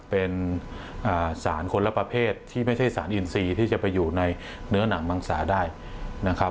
เป็นสารคนละประเภทที่ไม่ใช่สารอินทรีย์ที่จะไปอยู่ในเนื้อหนังมังสาได้นะครับ